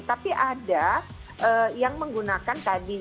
tapi ada yang menggunakan tadi